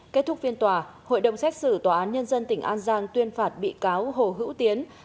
kết thúc phiên tòa hội đồng xét xử tòa án nhân dân tỉnh an giang tuyên phạt bị cáo hồ hữu tiến